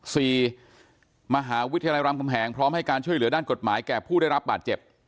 สี่มหาวิทยาลัยรามคำแหงพร้อมให้การช่วยเหลือด้านกฎหมายแก่ผู้ได้รับบาดเจ็บ